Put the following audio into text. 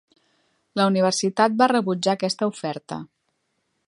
La Universitat va rebutjar aquesta oferta.